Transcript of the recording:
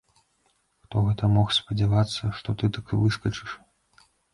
Хто гэта мог спадзявацца, што ты так выскачыш!